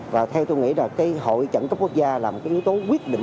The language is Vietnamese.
và theo tôi nghĩ là cái hội trận cấp quốc gia là một cái yếu tố quyết định